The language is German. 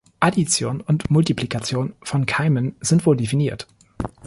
Addition und Multiplikation von Keimen sind wohldefiniert.